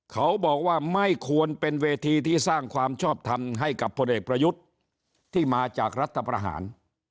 เขาบอกว่าไม่ควรเป็นเวทีที่สร้างความชอบทำให้กับพลเอกประยุทธ์ที่มาจากรัฐประหาร